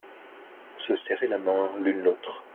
se serrer la main l'une l'autre.